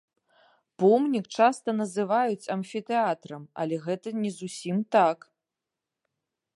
Помнік часта называюць амфітэатрам, але гэта не зусім так.